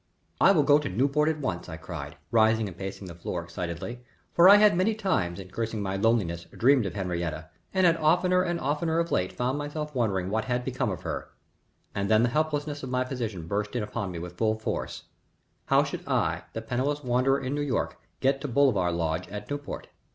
"I will go to Newport at once," I cried, rising and pacing the floor excitedly, for I had many times, in cursing my loneliness, dreamed of Henriette, and had oftener and oftener of late found myself wondering what had become of her, and then the helplessness of my position burst upon me with full force. How should I, the penniless wanderer in New York, get to Bolivar Lodge at Newport?